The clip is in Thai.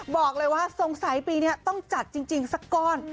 บอกเลยว่าสงสัยปีนี้ต้องจัดจริงสักก้อน